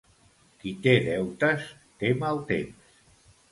Qui té deutes té mal temps.